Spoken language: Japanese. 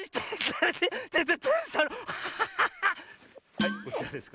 はいこちらです。